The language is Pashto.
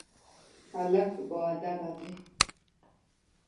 هلک باادبه دی.